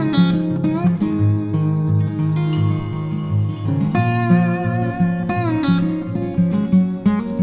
nah baik baik